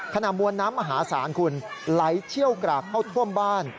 มวลน้ำมหาศาลคุณไหลเชี่ยวกรากเข้าท่วมบ้าน